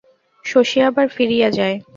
শশী আবার ফিরিয়া যায়।